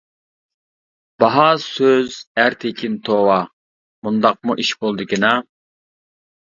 باھا سۆز ئەرتېكىن توۋا، مۇنداقمۇ ئىش بولىدىكىنا؟ !